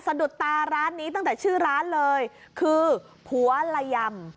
สะดุดตาร้านนี้ตั้งแต่ชื่อร้านเลยคือผัวละยำ